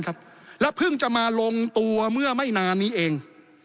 แล้วเพิ่งจะมาลงตัวเมื่อไม่นานนี้เอง